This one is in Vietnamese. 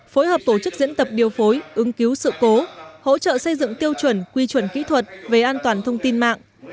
phối hợp tổ chức diễn tập điều phối ứng cứu sự cố hỗ trợ xây dựng tiêu chuẩn quy chuẩn kỹ thuật về an toàn thông tin mạng